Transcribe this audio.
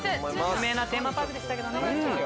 有名なテーマパークでしたけどね。